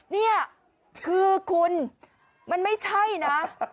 นี่คือคุณมันไม่ใช่นะ